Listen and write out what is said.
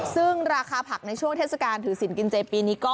ซึ่งราคาผักในช่วงเทศกาลถือสินกินเจปีนี้ก็